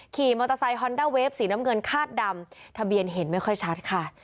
ขี่มอเตอร์ไซคอนด้าเวฟสีน้ำเงินคาดดำทะเบียนเห็นไม่ค่อยชัดค่ะ